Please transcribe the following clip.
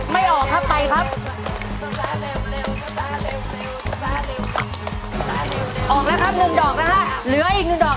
ไม่ออกครับไปครับ